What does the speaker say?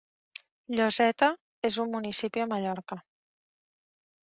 Lloseta és un municipi de Mallorca.